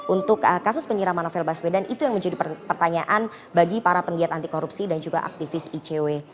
untuk kasus penyiraman novel baswedan itu yang menjadi pertanyaan bagi para penggiat anti korupsi dan juga aktivis icw